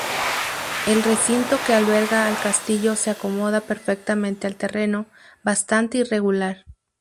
El recinto que alberga al castillo se acomoda perfectamente al terreno, bastante irregular.